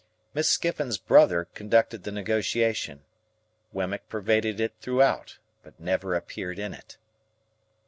Miss Skiffins's brother conducted the negotiation. Wemmick pervaded it throughout, but never appeared in it.